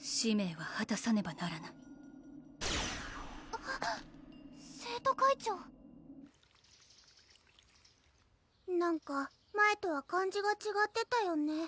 使命ははたさねばならない生徒会長なんか前とは感じがちがってたよね？